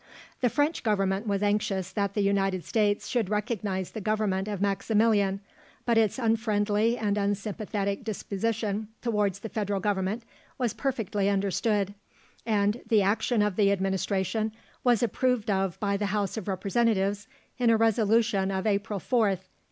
The French Government was anxious that the United States should recognise the Government of Maximilian, but its unfriendly and unsympathetic disposition towards the Federal Government was perfectly understood, and "the action of the Administration was approved of by the House of Representatives in a resolution of April 4th, 1864."